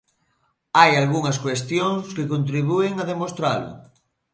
Hai algunhas cuestións que contribúen a demostralo.